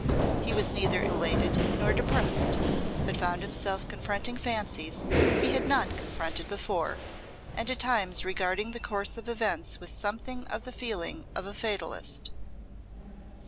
He was neither elated nor depressed, but found himself confronting fancies he had not confronted before, and at times regarding the course of events with something of the feeling of a fatalist.